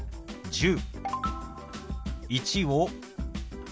「１０」。